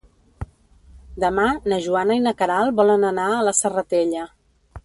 Demà na Joana i na Queralt volen anar a la Serratella.